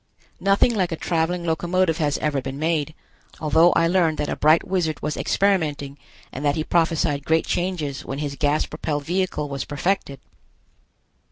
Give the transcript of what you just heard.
Nothing like a traveling locomotive has ever been made, although I learned that a bright wizard was experimenting and that he prophesied great changes when his gas propelled vehicle was perfected.